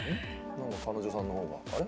何か彼女さんの方があれ？